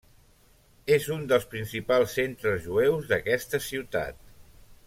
És un dels principals centres jueus d'aquesta ciutat.